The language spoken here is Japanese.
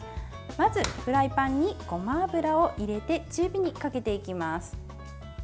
まずフライパンにごま油を入れて中火にかけていきます。